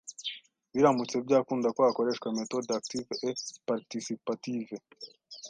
Biramutse byakunda ko hakoreshwa methodes actives et participatives